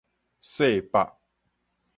細百